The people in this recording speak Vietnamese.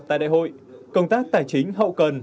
tại đại hội công tác tài chính hậu cần